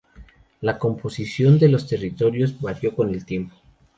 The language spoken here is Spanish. La composición de los territorios varió con el tiempo.